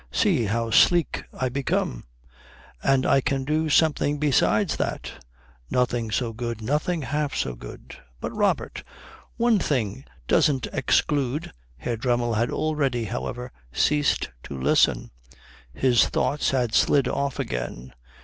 See how sleek I become." "And I can do something besides that." "Nothing so good. Nothing half so good." "But Robert, one thing doesn't exclude " Herr Dremmel had already, however, ceased to listen. His thoughts had slid off again.